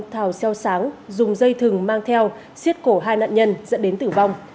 ông thảo seo sáng dùng dây thừng mang theo xiết cổ hai nạn nhân dẫn đến tử vong